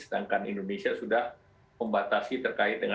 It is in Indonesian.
sedangkan indonesia sudah membatasi terkaitnya